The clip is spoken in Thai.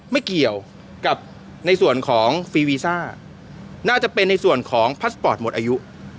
ไม่เกี่ยวกับในส่วนของฟีวีซ่าน่าจะเป็นในส่วนของพาสปอร์ตหมดอายุ